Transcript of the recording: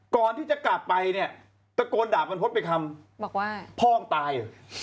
ก่อนที่จะกลับไปเนี่ยตะโกนด่าบรรพธไปคำพ่องตาย